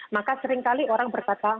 maka seringkali orang berkata